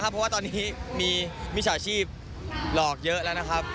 เพราะว่าตอนนี้มีมิจฉาชีพหลอกเยอะแล้วนะครับ